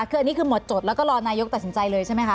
คืออันนี้คือหมดจดแล้วก็รอนายกตัดสินใจเลยใช่ไหมคะ